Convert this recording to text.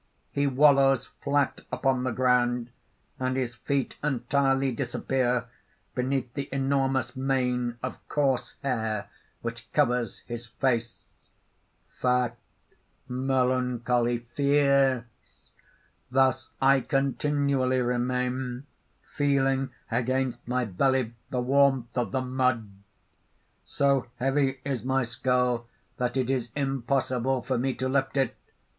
_ _He wallows flat upon the ground, and his feet entirely disappear beneath the enormous mane of coarse hair which covers his face_): "Fat, melancholy, fierce thus I continually remain, feeling against my belly the warmth of the mud. So heavy is my skull that it is impossible for me to lift it.